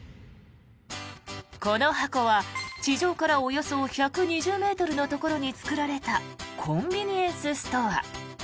この箱は地上からおよそ１２０ｍのところに作られたコンビニエンスストア。